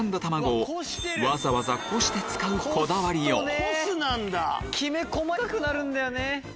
わざわざ濾して使うこだわりようきめ細かくなるんだよね。